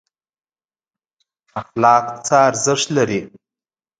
اخلاق څه ارزښت لري؟